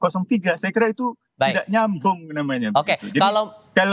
saya kira itu tidak nyambung namanya